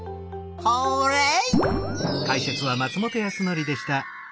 ホーレイ！